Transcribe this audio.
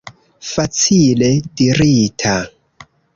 Facile dirita!